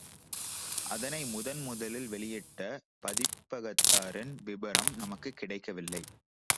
அதனை முதன் முதலில் வெளியிட்ட பதிப்பகத்தாரின் விபரம் நமக்குக் கிடைக்கவில்லை.